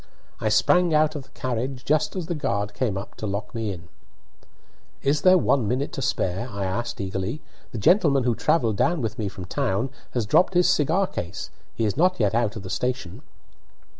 I sprang out of the carriage just as the guard came up to lock me in. "Is there one minute to spare?" I asked, eagerly. "The gentleman who travelled down with me from town has dropped his cigar case; he is not yet out of the station."